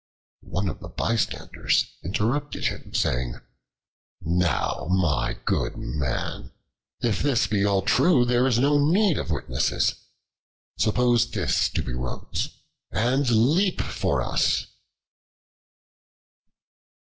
One of the bystanders interrupted him, saying: "Now, my good man, if this be all true there is no need of witnesses. Suppose this to be Rhodes, and leap for us."